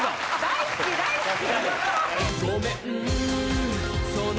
大好き大好き。